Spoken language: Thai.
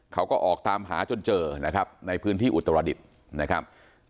เขาก็ออกตามหาจนเจอนะครับในพื้นที่อุตรดิษฐ์นะครับ